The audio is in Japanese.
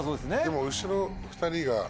でも後ろ２人が。